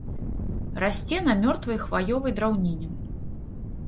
Расце на мёртвай хваёвай драўніне.